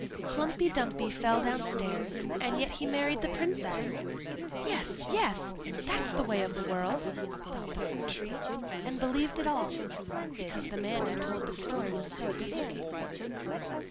"Klumpy Dumpy fell downstairs, and yet he married the princess! Yes, yes! that's the way of the world!" thought the Fir tree, and believed it all, because the man who told the story was so good looking.